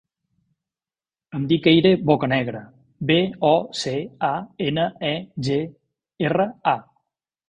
Em dic Eire Bocanegra: be, o, ce, a, ena, e, ge, erra, a.